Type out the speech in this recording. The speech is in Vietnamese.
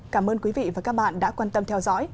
cảm ơn quý vị và các bạn đã quan tâm theo dõi